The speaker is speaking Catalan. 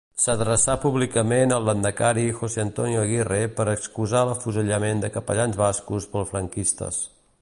S'adreçà públicament al lehendakari José Antonio Aguirre per excusar l'afusellament de capellans bascos pels franquistes.